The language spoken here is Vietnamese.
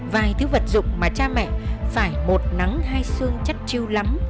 vài thứ vật dụng mà cha mẹ phải một nắng hai xương chắc chiêu lắm